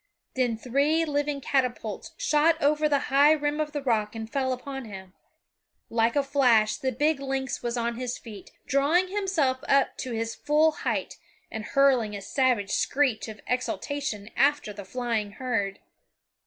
Then three living catapults shot over the high rim of the rock and fell upon him. Like a flash the big lynx was on his feet, drawing himself up to his full height and hurling a savage screech of exultation after the flying herd.